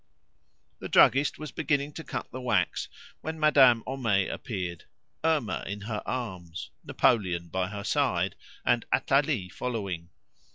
The druggist was beginning to cut the wax when Madame Homais appeared, Irma in her arms, Napoleon by her side, and Athalie following.